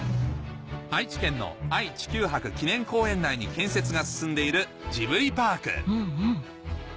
愛知県の愛・地球博記念公園内に建設が進んでいるジブリパークうんうん